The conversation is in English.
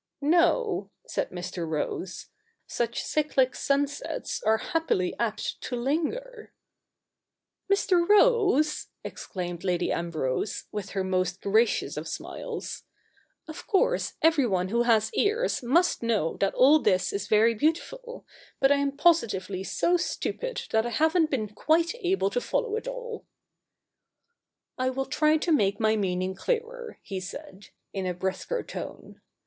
'No,' said Mr. Rose, ' such cyclic sunsets are happily apt to linger.' ' Mr. Rose,' exclaimed Lady Ambrose, with her most gracious of smiles, ' of course everyone who has ears must know that all this is very beautiful, but I am positively so stupid that I havent been quite able to follow it all' ' I will try to make my meaning clearer,' he said, in a brisker tone.